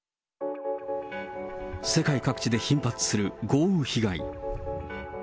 世界各地で頻発する豪雨被害。